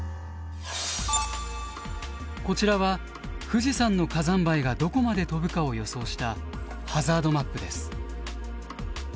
こちらは富士山の火山灰がどこまで飛ぶかを予想したハザードマップです。